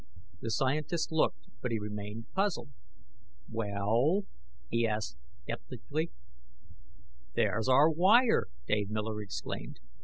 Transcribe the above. The scientist looked; but he remained puzzled. "Well ?" he asked skeptically. "There's our wire!" Dave Miller exclaimed.